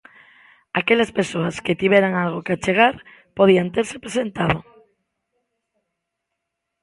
Aquelas persoas que tiveran algo que achegar podían terse presentado.